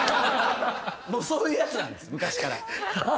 もうそういうやつなんです昔から。